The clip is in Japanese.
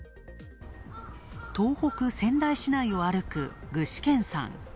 東北・仙台市内を歩く具志堅さん。